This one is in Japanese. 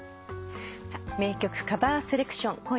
さあ名曲カバーセレクション